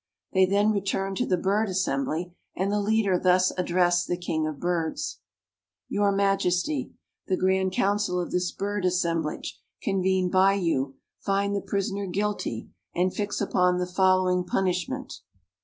They then returned to the bird assembly and the leader thus addressed the king of birds: "Your majesty, the grand council of this bird assemblage, convened by you, find the prisoner guilty and fix upon the following punishment: "1.